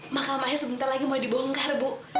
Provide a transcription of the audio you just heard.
makam ayah sebentar lagi mau dibongkar bu